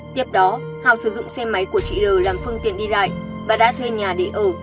tiếp đó hào sử dụng xe máy của chị l làm phương tiện đi lại và đã thuê nhà để ở